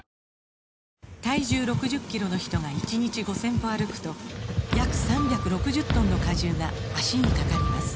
体重６０キロの人が１日５０００歩歩くと約３６０トンの荷重が脚にかかります